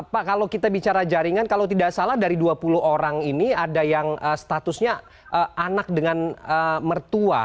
pak kalau kita bicara jaringan kalau tidak salah dari dua puluh orang ini ada yang statusnya anak dengan mertua